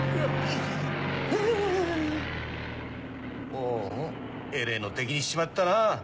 おおえれぇのを敵にしちまったなぁ。